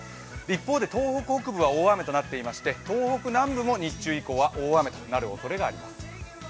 一方で東北北部は大雨となっていまして東北南部も日中以降は大雨となるおそれがあります。